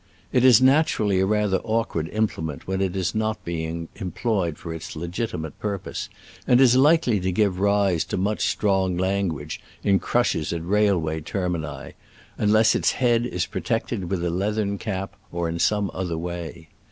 It is naturally a rather awkward implement when it is not being employ ed for its legitimate purpose, and is likely to give rise to much strong language in crushes at railway termini, unless its head is protected with a leathern cap or in some other way.